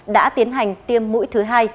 đã tiến hành tiêm mũi thứ hai